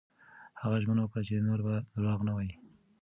هغه ژمنه وکړه چې نور به درواغ نه وايي.